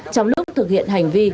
trong lúc thực hiện hành vi